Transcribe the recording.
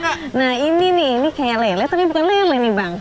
khas betawi pesen apa ya nah ini nih ini kayak lele tapi bukan lele nih bang